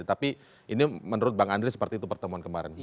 tapi ini menurut bang andri seperti itu pertemuan kemarin